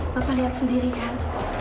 bapak lihat sendiri kan